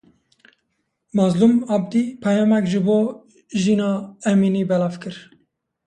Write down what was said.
Mazlûm Ebdî peyamek ji bo Jîna Emînî belav kir.